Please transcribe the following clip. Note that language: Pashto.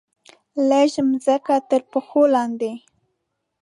لږه مځکه ترپښو لاندې